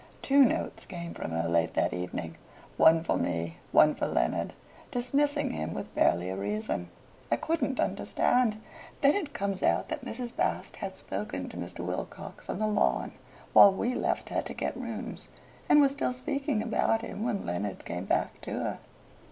Two notes came from her late that evening one for me, one for Leonard, dismissing him with barely a reason. I couldn't understand. Then it comes out that Mrs. Bast had spoken to Mr. Wilcox on the lawn while we left her to get rooms, and was still speaking about him when Leonard came back to her.